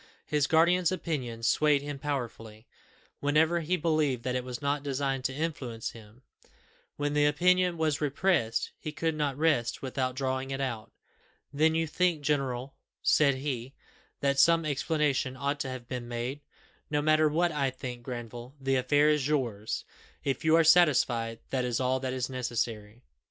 His guardian's opinion swayed him powerfully, whenever he believed that it was not designed to influence him; when the opinion was repressed, he could not rest without drawing it out. "Then, you think, general," said he, "that some explanation ought to have been made?" "No matter what I think, Granville, the affair is yours. If you are satisfied, that is all that is necessary."